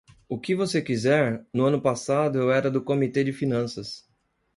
O que você quiser, no ano passado eu era do Comitê de Finanças.